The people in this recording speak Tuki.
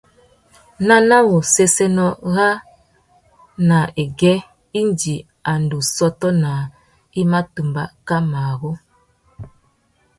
Nana wu séssénô râā nà agüê indi a ndú sôtô naā i mà tumba kā marru.